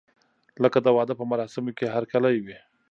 لکه د واده په مراسمو کې هرکلی وي.